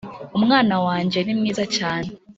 Umwana wanjye ni mwiza cyane